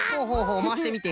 まわしてみて。